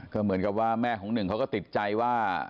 ก็เหมือนกับว่าแม่ของหนึ่งเขาก็ติดใจว่า